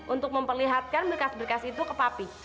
untuk memperlihatkan berkas berkas itu ke papi